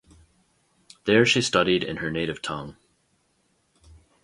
There she studied in her native tongue.